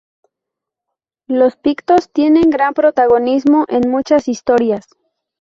Los pictos tienen gran protagonismo en muchas historias.